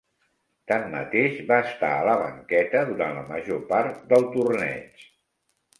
Tanmateix, va estar a la banqueta durant la major part del torneig.